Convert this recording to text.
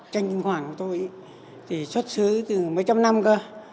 tranh kim hoàng của tôi thì xuất xứ từ mấy trăm năm cơ